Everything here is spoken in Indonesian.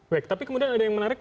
baik tapi kemudian ada yang menarik